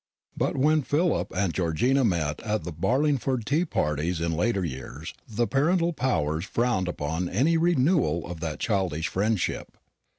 But when Philip and Georgina met at the Barlingford tea parties in later years, the parental powers frowned upon any renewal of that childish friendship.